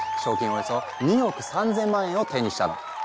およそ２億３，０００万円を手にしたの。